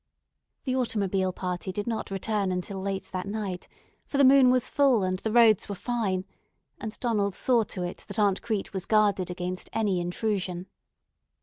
The automobile party did not return until late that night, for the moon was full and the roads were fine; and Donald saw to it that Aunt Crete was guarded against any intrusion.